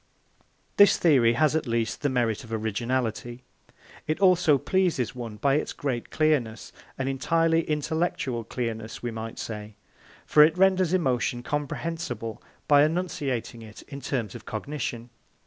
This theory has at least the merit of originality. It also pleases one by its great clearness an entirely intellectual clearness, we may say; for it renders emotion comprehensible by enunciating it in terms of cognition.